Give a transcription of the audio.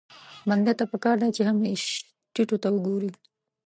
بنده ته پکار ده چې همېش ټيټو ته وګوري.